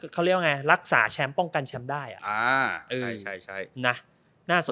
เขาเรียกว่าไงรักษาแชมป์ป้องกันแชมป์ได้